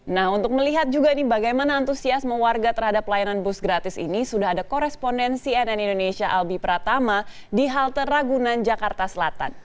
nah untuk melihat juga bagaimana antusiasme warga terhadap layanan bus gratis ini sudah ada korespondensi nn indonesia albi pratama di halte ragunan jakarta selatan